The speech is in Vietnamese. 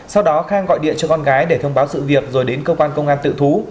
sau đó khang gọi điện cho con gái để thông báo sự việc rồi đến cơ quan công an tự thú